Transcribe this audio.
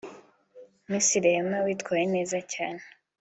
Miss Rehema witwaye neza cyane